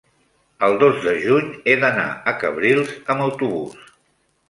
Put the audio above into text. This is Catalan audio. el dos de juny he d'anar a Cabrils amb autobús.